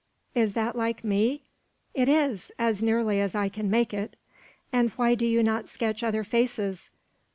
"Is that like me?" "It is, as nearly as I can make it." "And why do you not sketch other faces?"